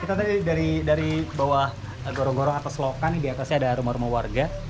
kita tadi dari bawah gorong gorong atau selokan di atasnya ada rumah rumah warga